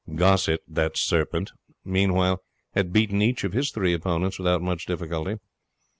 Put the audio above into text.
Gossett, that serpent, meanwhile, had beaten each of his three opponents without much difficulty.